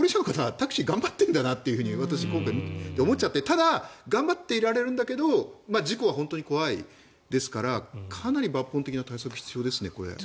タクシー頑張ってるんだなと私、今回思っちゃってただ、頑張っていられるんだけど事故は本当に怖いですからかなり抜本的な対策が必要ですね。